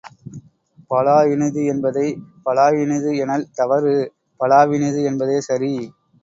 பலா இனிது என்பதைப் பலாயினிது எனல் தவறு பலாவினிது என்பதே சரி.